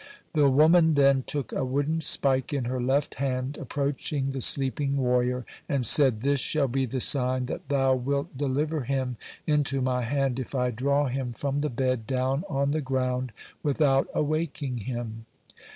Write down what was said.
The woman then took a wooden spike in her left hand, approached the sleeping warrior, and said: "This shall be the sign that Thou wilt deliver him into my hand if I draw him from the bed down on the ground without awaking him."